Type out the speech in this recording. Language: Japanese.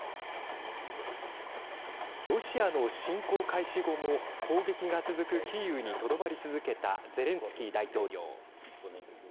ロシアの侵攻開始後も攻撃が続くキーウにとどまり続けたゼレンスキー大統領。